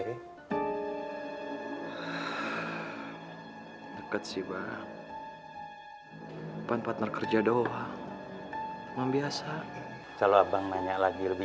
hai deket sibara hai bumpet bekerja doa membiasa kalau abang banyak lagi lebih